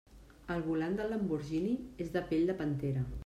El volant del Lamborghini és de pell de pantera.